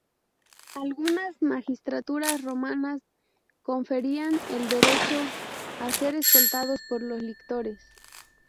Algunas magistraturas romanas conferían el derecho a ser escoltados por los lictores.